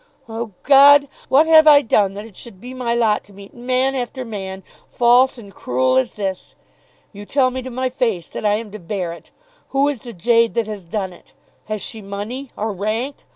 "Oh, God! what have I done that it should be my lot to meet man after man false and cruel as this! You tell me to my face that I am to bear it! Who is the jade that has done it? Has she money? or rank?